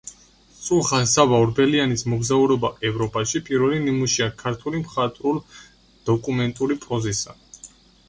სულხან-საბა ორბელიანის „მოგზაურობა ევროპაში“ პირველი ნიმუშია ქართული მხატვრულ–დოკუმენტური პროზისა.